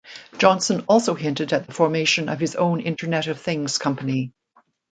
Johnson also hinted at the formation of his own Internet of things company.